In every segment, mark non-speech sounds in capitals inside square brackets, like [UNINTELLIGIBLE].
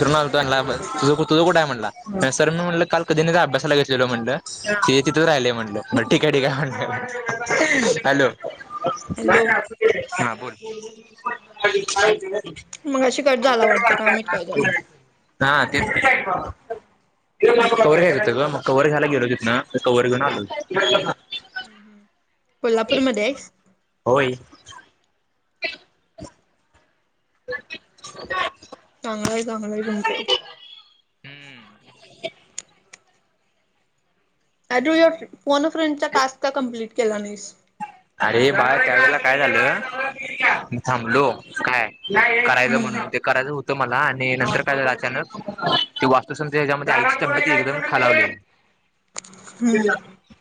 Sir माझा चागला आभ्यास तुझ कु तुझं कुठ आहे म्हटला सर मी म्हटलं काल कधी नाय तो अभ्यासाला घेेतलेलो म्हटलं ते तिथच राहिलेय म्हणल, ठीकाय ठीकाय म्हण, हॅलो, हॅलो हा बोल, [UNINTELLIGIBLE] मगाशी कट झाला वाटतं, काय माहिती काय झाल, हा तेच की, [UNINTELLIGIBLE] कवर घ्यायच होत ग, मग कवर घ्यायला गेलो तिथ ना, कवर घेऊन आलो, हम्, हम् कोल्हापूरमध्ये आहेस? होय, [INAUDIBLE] [INAUDIBLE] चांगलाय चांगलय आहे तुमचं हम्म अजुन वाटत फोन अ फ्रेंड चा टास्क कम्प्लीट केला नाहीस. अरे बाळ त्यावेेळेला काय झालं मी थांबलो काय करायचं हम्म म्हणून ते करायचं होतं मला आणि नंतर काय झालं अचानक ते वास्तु शांती ह्यज्यामध्ये आईची तब्बेत एकदम खालावलेली. [INAUDIBLE] हम्म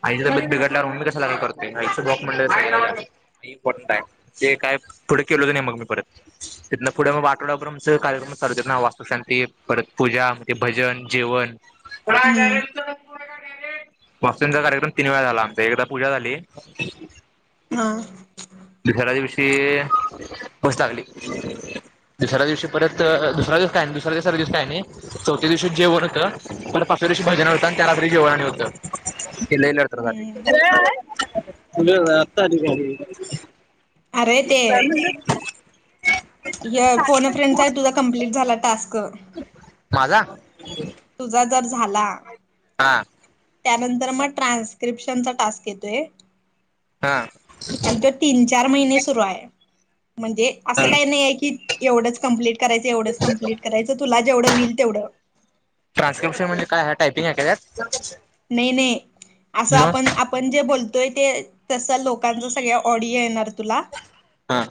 आईच तब्बेत बिघडल्यावर मी म कशाला करतोय राहायच गप म्हणलं आई इम्पॉर्टंट हाय जे काय पुढे केलेलं नाय मग मी परत त्यातन पुढ मग [UNINTELLIGIBLE] कार्यक्रम चालू होत्यात ना वास्तुशांती परत पूजा म भजन जेवण पहा हम्म डायरेक्टचं वास्तुशांती चा कार्यक्रम तीन वेळा झाला आमचा एकदा पूजा झाली. हा दुसऱ्याकाळी दिवशी बस लागली. तिसऱ्या दिवशी परत दुसरा दिवस काय नी दुसरा तिसरा दिवस काय नी. चौथ्या दिवशी जेवण होतं पण पाचव्या दिवशी भजन होतं आणि त्या रात्री जेवण आणि होतं केलेलं. सगळं हम्म [UNINTELLIGIBLE] सगळं हाय [UNINTELLIGIBLE] अरे काय म्हणालात हे फोनो फ्रेंडचा चा तुझा कंप्लीट झाला टास्क माझा तुझा जर झाला हा त्यानंतर मग ट्रान्स्क्रिप्शनचा टास्क येतोय. हा आणि तो तीन चार महिने सुरू हाय म्हणजे असं काय नाही ये की, एवढच कंप्लीट करायच एवंढंच कंप्लीट करायंच तुला जेवढं होईल तेवढं ट्रान्स्क्रिप्शन म्हणजे काय हाय टायपिंग हाय कां त्यात नय नय असं आपण मग आप आपण जे बोलतोय ते तस लोकांचा सगळ ऑडिओ येणार तुला हा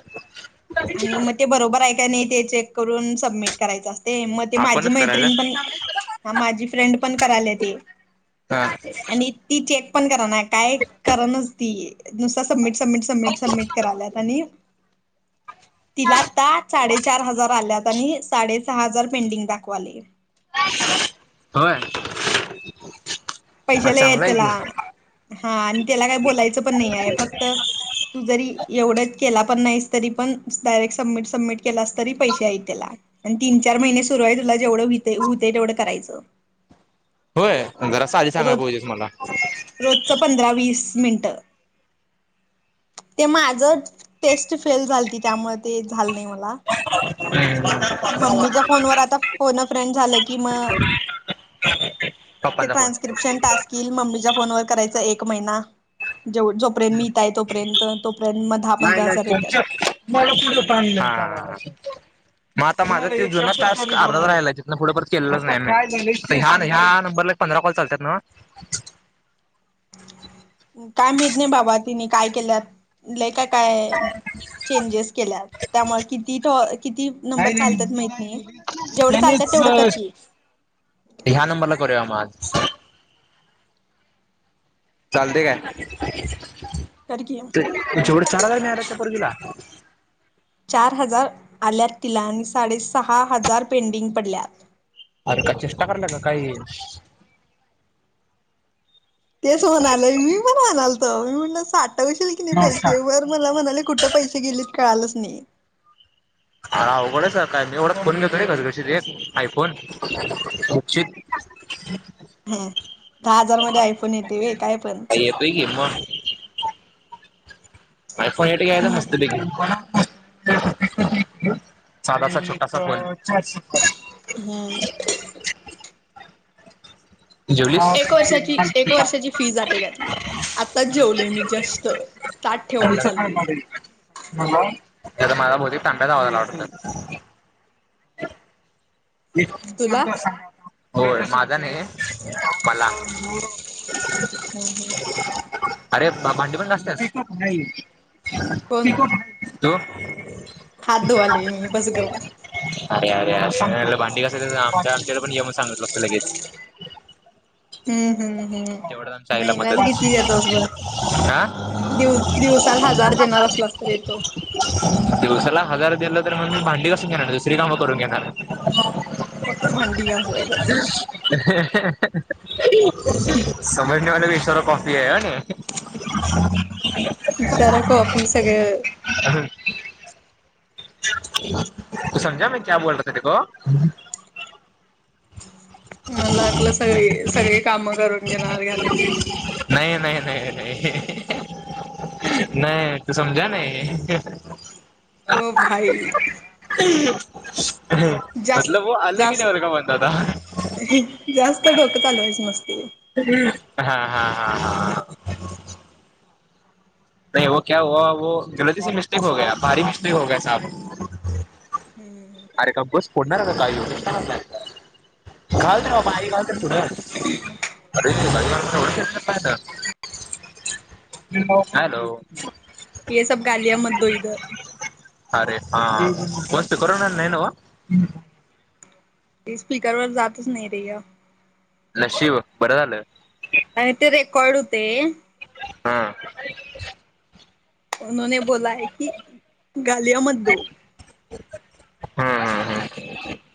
आणि म ते बरोबर हाय का नाही ते चेक करून सबमिट करायचं अस ते मग ते माझी आपणच मैत्रीण पण करायचं हा माझी फ्रेंड पण करायला ते. हा आणि ती चेक पण कर ना काय करनाच ती नुसता सबमिट सबमिट सबमिट सबमिट कराल्यात आणि तिला आता साडेचार हजार आल्यात आणि साडेसहा हजार पेंडिंग दाखवा लय. व्हय. पैसे लई आहेत त्याला हा आणि त्याला काही बोलायचं पण नाही आहे फक्त तू जरी एवढंच केला पण नाहीस तरी पण डायरेक्ट सबमिट सबमिट केलास तरी पैसे आहेत त्याला आणि तीन चार महिने सुरु आहे तुला जेवढं होतय तेवढं करायचं. होय जरास आधी रोज सांगायला पाहिजेस होती मला. रोजच पंधरा वीस मिनिटं. ते माझ टेस्ट फेल झालती त्यामुळे ते झालं नाही मला. हम् मम्मीच्या फोनवर आता फोन अ फ्रेंड झालं की म ते पप्पांचा फोन ट्रान्स्क्रिप्शन टास्क येईल मम्मीच्या फोन वर करायच एक महिना जेवढं जो मिळता आहेत तो पर्यंत तोपर्यंत मग दहा नाही पंधरा नाही हजार येतात. तुमच्या मला पुलं पान मग आता माझा ते जुना टास्क अर्धाच राहियलाय तिथंन पुढं केलेलंच नाही म हा ह्या नंबरला पंधरा कॉल चालतात नव. काय माहित नाही बाबा तिनी काय केल्यात लई काय काय चेंजेस केल्यात त्यामुळे किती टॉ किती नंबर नाही नाही चालतात मी माहित नाही दिली जेवढं चालतात तेवढं कर त्यानेच की. ह्या नंबरला करूया म आज. चालतय काय. करकी मग. ते तेवढं चार हजार मिळालं त्या पोरगीला. चार हजार आल्यात तिला आणि साडेसहा हजार पेंडिंग पडल्यात. अरे का चेष्टा कराल्या काय ही तेच म्हणालय मी पण म्हणालतो तर मी म्हण साठवशील की नाही नमस्कार पैसे वर मला म्हणाली कुठं पैसे गेलेत कळालच नाही हा आवघडच काय मी एवढच फोन घेतो रे घसघशीत एक आयफोन उचित ह्या दहा हजार मध्ये आयफोन येतोय व्हय काय पण. येतोय की मग. आयफोन एट घ्यायचं मस्त हम्म पैकी. सादासा छोटासा फोन. हम् जेवलीस. एक वर्षाची एक वर्षाची फी जाते त्यातली आत्ताच जेवले मी जास्त ताट ठेवायला चालली यदा माझ बोती पपे त आवादला आवड तुला होय माझा नाही. मला अरे भांडी घासत्यास. कोण हात धुवालोय मी गप्प बस. अरे अरे असं काय भांडी घासायचं आमच्या आमच्याकडे पण ये सांगितलं असतं लगेच हम्म हम्म हम् तेवढीच आमच्या आईला मदत. दिव दिवसाला हजार देणार असलास तर येतो दिवसाला हजार दिलं तर म्हण मी भांडी घासून घेणार दुसरी कामं करून घेणार फक्त भांडी घासवायच. समझने वालों को इशारा काफी है. इशारा सारा कॉफी सगळ [UNINTELLIGIBLE] [UNINTELLIGIBLE] मला वाटलं सगळी सगळी कामं करून घेणार घरातली. नाही नाही नाही नाही नाही तू ओ भाई! [UNINTELLIGIBLE] जास्त वो अलग ही जास्त लेवल का बंदा था जास्त डोक चालवायचं नसतंय. हा हा हा हा! [UNINTELLIGIBLE] हम्म! अरे का बस फोडणार आहे काय ह्यो? घाल तो बाई गालत्यात पुढ [UNINTELLIGIBLE] हॅलो! ये सब गलिया मत दो इधर! अरे हा मस् कोरोना नाय न्हव? ते स्पीकरवर जातच नाही रे हे! नशीब बरं झालं! आणि ते रेकॉर्ड हुंतय. हा! उन्हाने बोला है की गालिया मत दो! हम्म हम् हम्!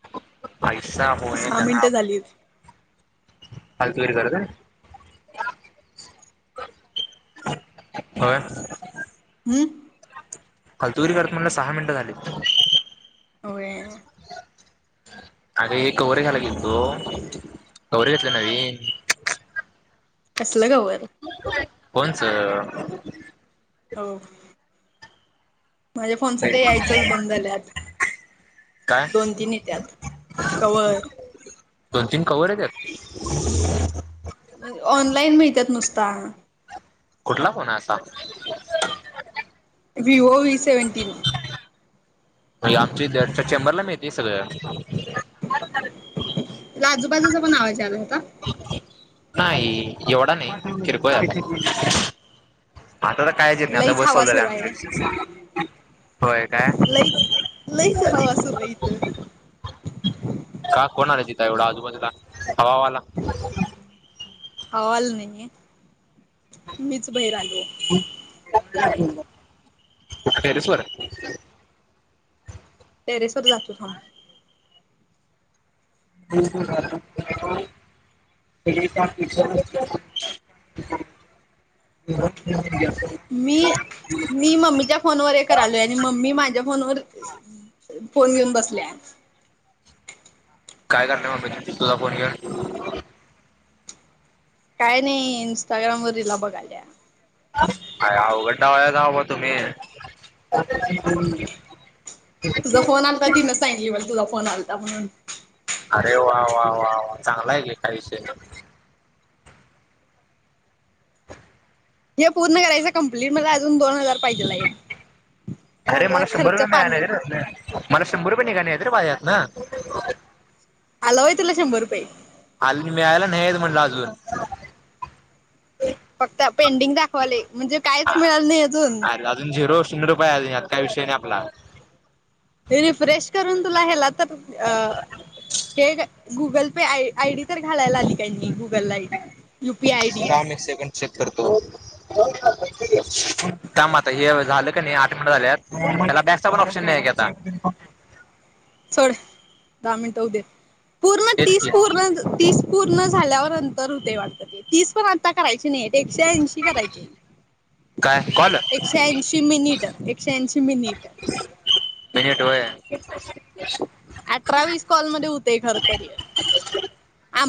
[UNINTELLIGIBLE] सहा मिनिटं झालीत [UNINTELLIGIBLE] होय! हम्म! फालतुगिरी करत म्हणल सहा मिनिटं झाली. होय! अरे कवर घायला गेलतो कवर घेतले नवीन! कसलं कवर? फोनचं! हो! माझ्या फोनच ते काय यायचच बंद झालय आता. दोन तीन येत्यात कवर दोन तीन कवर येत्यात? ऑनलाईन मिळतात नुसता कुठला फोन आहे आसा? Vivo V seventeen! आमच्या हितल्या चेंबरला मिळतंय सगळं. [INAUDIBLE] तुला आजूबाजूचा पण आवाज आला होता? नाही एवढा नाही किरकोळ आहे. आता तर कायच येत नाही आता लईच बस हवा चालू झाली सुरू आहे आमची. होय काय? लईच लईच हवा सुरू आहे इथं का कोण आलं तिथ एवढा आजूबाजूला हवावाला हवावाला नाही मीच बाहीर आलो. टेरेसवर? टेरेसर जातो थांब! [UNINTELLIGIBLE] [UNINTELLIGIBLE] ब [UNINTELLIGIBLE] मी मी मम्मीच्या फोनवर हे करायलोय. आणि मम्मी माझ्या फोनवर. फोन घेऊन बसल्या. काय करणार मम्मी तुझ फोन घेउन. काय नाही. इंस्टाग्रामवर रिला बघाल्या. आय अवगड डावया राव तुम्ही. तुझा फोन आलता. तीन सांगली मला तुझा फोन आलता म्हणून. अरे वा वा वा वा. चांगलाय की आयुष्य. हे पूर्ण करायं कंप्लीट. मला अजून दोन हजार पाहिजे लगेच. अरे मला शंभर रुपये निघा रे मला शंभर रुपये निघाले रे भा यातन. आला व्हय तुला शंभर रुपये. आली मिळायला नाहीेत. म्हणलं अजून. फक्त पेंडिंग दाखवाले. म्हणजे कायच मिळाल नाही अजून. अ अजून झिरो शून रुपये आले. यात काय विषय नाही आपला. तेने फ्रेश करून तुला ह्याला तर अ हे गुगल पे. आयडी तर घालायला आली. Google I D, UPI I D. तच करतोऋ थांम आता हे झालं का नाहीऋल. आ झाल्यात. त्याला बॅकचा पण ऑप्शन नाही आता. सोड दहा मिनटक्षहोऊद्ये. पूर्ण तेच तीस की. पूर्ण तीस. पूर्ण झाल्यावर नंतर होतेय वाटत ते. तीस पण आता करायची नाही एकशे ऐंशी करायचे. काय कॉल? एकशे ऐशी मिनिट. एकशे ऐंशी मिनिट. मिनिट व्हय. अठरा वीस कॉलमध्ये होते खर तरी.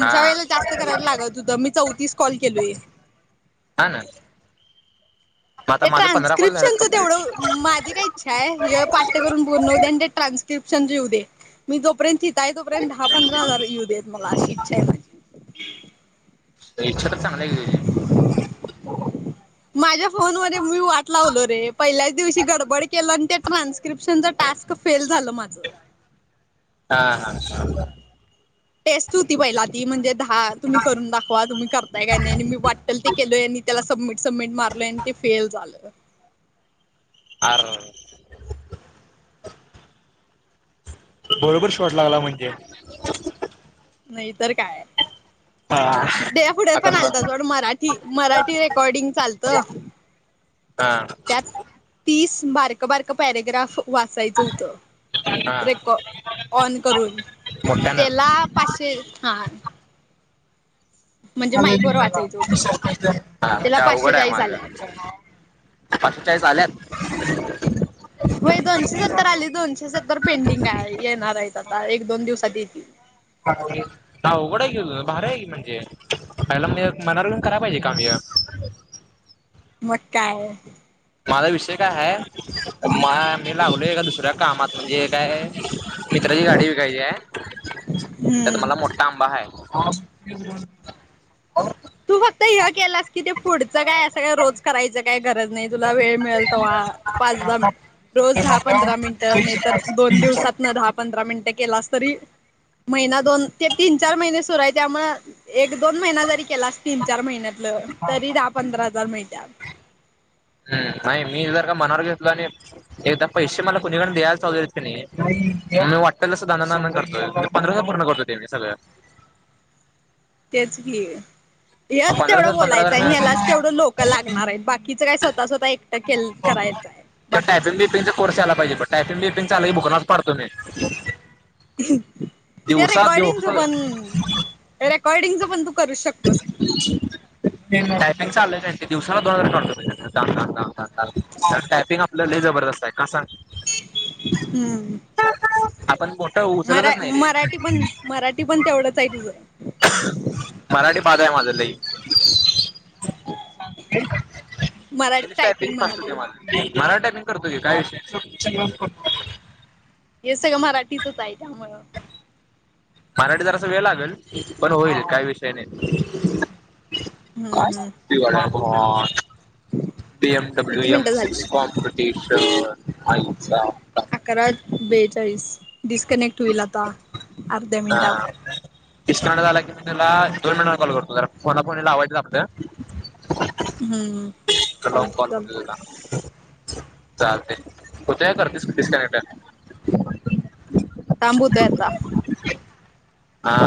हा वेळेला जास्त करायला लागत होतं. मी चौतीस कॉल केलोय. हा ना. मग आता त्या माझं पंधरा कॉल झाल्यात ट्रान्स्क्रिप्शनचं कंप्लीट. तेवढं. माझे काही ईच्छाय हे पाठ्य करून पूर्ण हो दे. आणि ते ट्रान्स्क्रिप्शन येऊदे. मी जोपर्यंत तोपर्यंत दहा पंधरा हजार येऊ देत मला. अशी इच्छाय माझी. इछा तर चांगलाय की तुझी. माझ्या फोन मध्ये मी वाट लावलो रे पहिल्याच दिवशी गडबड केलं. आणि ते ट्रान्स क्रिप्शनच टास्क फेल झालं माझं. हा हा ह. टेस्ट होती पहिला. ती म्हणजे दाहा. तुम्ही करून दाखवा. तुम्ही करताय काय नाही. आणि मी वाटल ते केल. आणि त्याला सबमिट सबमिट मारलं. अन ते फेल झालं. आरर. बरोबर शॉर्ट लागला म्हणजे नाही तरर काय. हा. ते पुढे आता पण आलत मग सोड. मराठी मराठी रेकॉर्डिंगच आलतं. हा. त्यात. तीस बारक बारक पॅरेग्राफ वाचायचं होतं. हा. रेकॉ ऑन करून. मोठ्यानं त्याला पाचशे, हा हा. हा माईक वर वाचायचं होतं आज त्याला पाचशे तअवघड आहे चाळीस माझं. आल्यात. पाचशे चाळीस आल्यात. ह [INAUDIBLE] होय दोनशे सत्तर आले. दोनशे सत्तर पेंडिंग आहे. येणारे आता. एक दोन दिवसात येतील. उघड आहे की ग. भारी आहे की म्हणजे. यायला मी मनाव घेऊन कराय पाहिजे काम ह. मग काय माझा विषय काय आहे म मी लागलो ए दुसऱ्या कामात म्हणजे काय मित्राची गाडी विकायची आहे त्यात हम्म. मला मोठा आंबा हा तू फक्त हे केलास की ते पुढचं काय असंग का रोज करायचं काय गरज नाही जुला वेळ मलतोवा पाज रोज दहा पंधरा मिनिटं नाहीतर दोन दिवसात न दहा पंधरा मिनिटं केलास तरी महिना दोन ते तीन चार महिने सुरू आहे त्यामु एक दोन महिना जरी केला अस तीन चार महिन्यातलं तरी दहा पंधरा हजार मिळत्या हम् नाही मी जर का मनावर घेतलो आणि एकदा पैसेे मला कोणीक द्यायला चौ येत नाही मी वाटेल सुधानदान करतोय पंधरा पूर्ण करो त्यांनी सगळं तेच घी हेच तेवढं पंधराशे पंधरा हजार बोलायचं आहे आणि मी यालाच तेवढं लोक लागणार आहेत बाकी तिचं काय स्वतः स्वतः एकट केल करायचं आहे किंवा बाकीच टायपिंग बिपिंगचा कोर्स यायला पाहिे टायपि बपंगचाला बुकनाच पडतो मी त्या दिवसा दिव रेकॉर्डिंगच पण रेकॉर्डिंगच पण तू करू शकतोसी हम् टायपिंग चाललंय दिवसाला दोन हजार दमचा टायपिंग ल जबरदस्त आहे का सांग हम् आपण मोठं मरा उचलतच नाही रे मराठी पण मराठी पण तेवढंच आहे तुझं मराठी बाद आहे माझ लई मराठी टायपिंग फास्ट आहे म्हणाले माझं. मराठी टायपिंग करतोय काय विषय नाही. हे सगळं मराठीतच आहे त्यामुळ मराठी जरासा वेळ लागल पण होईल काही विषय नाही हम्म हम्म कीवर्ड हय भा पी एम डब्ल्यू किती एम मिनिटं सिक्स झाली कॉमपटिश आईचा अकरा बेचाळीस डस्कनेक्ट हा इनट झाला की मी तुला दोन मिनटां कॉल करतो जरा फोनाफोनी लावायचं आहे आपलं हम्म चालते कॉल चालते करते चालते हो ते करस सकनेक्ट [INAUDIBLE] थांबू होत्य आता हा